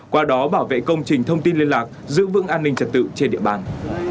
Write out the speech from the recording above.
qua đó bảo vệ công trình thông tin liên lạc giữ vững an ninh trật tự trên địa bàn